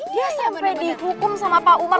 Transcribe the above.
dia sampai dihukum sama pak umar